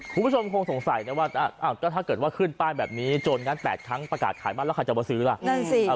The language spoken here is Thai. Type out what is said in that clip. คุณผู้ชมคงสงสัยนะว่าถ้าเกิดว่าขึ้นป้ายแบบนี้โจรงัด๘ครั้งประกาศขายบ้านแล้วใครจะมาซื้อล่ะ